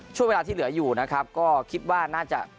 ช่วงเวลาที่เหลืออยู่นะครับก็คิดว่าน่าจะ